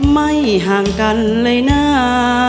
ไม่ห่างกันเลยนะ